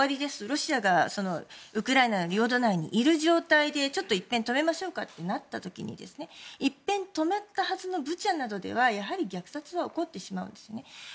ロシアがウクライナの領土内にいる状態で止めましょうとかとなった時に止めたはずのブチャなどではやはり虐殺は起こってしまうんですね。